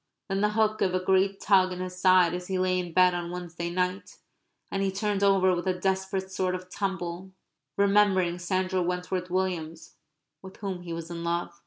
Then the hook gave a great tug in his side as he lay in bed on Wednesday night; and he turned over with a desperate sort of tumble, remembering Sandra Wentworth Williams with whom he was in love.